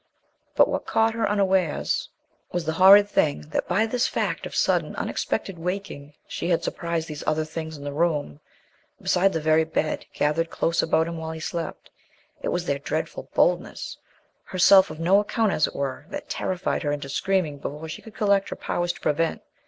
But what caught her unawares was the horrid thing that by this fact of sudden, unexpected waking she had surprised these other things in the room, beside the very bed, gathered close about him while he slept. It was their dreadful boldness herself of no account as it were that terrified her into screaming before she could collect her powers to prevent.